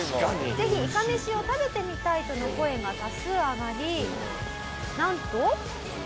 「ぜひいかめしを食べてみたい！」との声が多数上がりなんと。